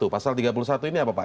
pasal tiga puluh satu ini apa pak